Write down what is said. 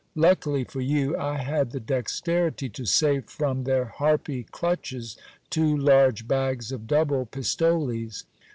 Luckily for you, I had the dexterity to save from their harpy clutches two large bags of double pistoles.